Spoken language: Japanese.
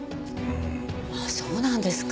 ああそうなんですか。